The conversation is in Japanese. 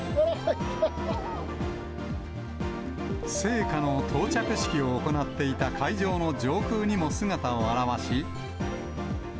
聖火の到着式を行っていた会場の上空にも姿を現し。